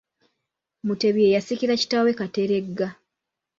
MUTEBI ye yasikira kitaawe Kateregga.